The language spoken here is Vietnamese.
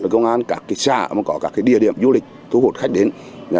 công an các xã có các địa điểm du lịch thu hút khách đến